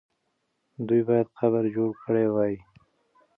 دوی باید قبر جوړ کړی وای.